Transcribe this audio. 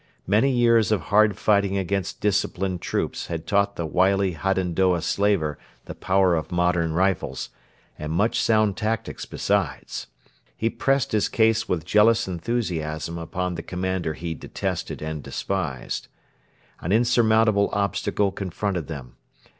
Many years of hard fighting against disciplined troops had taught the wily Hadendoa slaver the power of modern rifles, and much sound tactics besides. He pressed his case with jealous enthusiasm upon the commander he detested and despised. An insurmountable obstacle confronted them.